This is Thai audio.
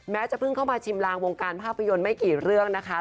จะเพิ่งเข้ามาชิมลางวงการภาพยนตร์ไม่กี่เรื่องนะคะ